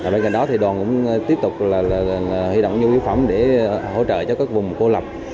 bên cạnh đó đoàn cũng tiếp tục huy động nhu yếu phẩm để hỗ trợ cho các vùng cô lập